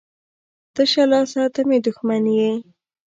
تشه لاسه ته مي دښمن يي.